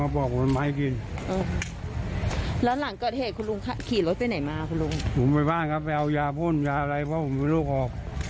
ผมไปบ้านครับไปเอายาพ่นยาอะไรเพราะผมมีโรคหอบ